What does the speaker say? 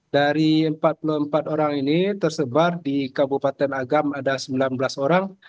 dari empat puluh empat orang ini tersebar di kabupaten agam ada sembilan belas orang